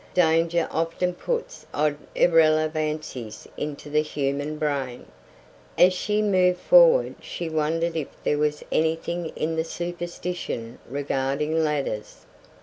Danger often puts odd irrelevancies into the human brain. As she moved forward she wondered if there was anything in the superstition regarding ladders.